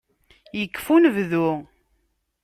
Yekfa unebdu.